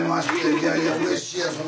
いやいやうれしいやん。